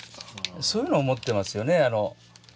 そういうのを持ってますよね。